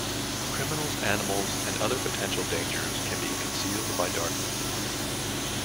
Criminals, animals, and other potential dangers can be concealed by darkness.